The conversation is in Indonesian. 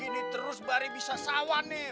gini terus bari bisa sawan nih